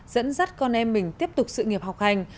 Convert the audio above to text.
dẫn dắt con em mình tiếp tục sự nghiệp học hành